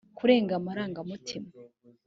kurenga amarangamutima